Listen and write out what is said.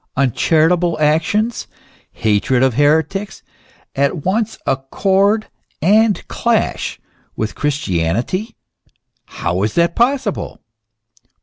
Uncharitable actions, hatred of heretics, at once accord and clash with Christianity ? how is that possible